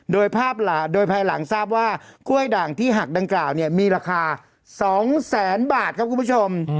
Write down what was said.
โดยภายหลังทราบว่ากล้วยด่างที่หักดังกล่าวเนี่ยมีราคา๒แสนบาทครับคุณผู้ชม